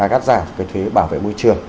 cắt giảm cái thuế bảo vệ môi trường